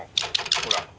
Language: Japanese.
ほら。